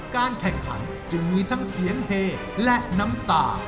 การแข่งขันจึงมีทั้งเสียงเฮและน้ำตา